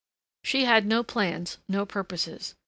She had no plans, no purposes.